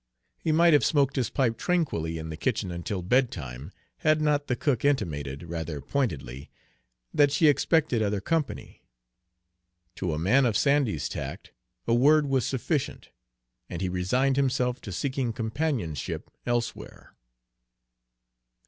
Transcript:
He might have smoked his pipe tranquilly in the kitchen until bedtime, had not the cook intimated, rather pointedly, that she expected other company. To a man of Sandy's tact a word was sufficient, and he resigned himself to seeking companionship elsewhere.